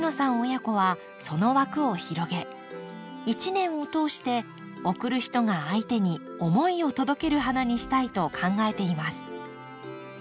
親子はその枠を広げ一年を通して贈る人が相手に思いを届ける花にしたいと考えています。